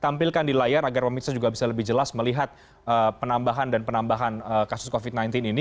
tampilkan di layar agar pemirsa juga bisa lebih jelas melihat penambahan dan penambahan kasus covid sembilan belas ini